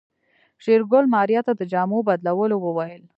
شېرګل ماريا ته د جامو بدلولو وويل.